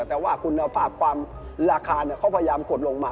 แต่ว่าคุณภาพความราคาเขาพยายามกดลงมา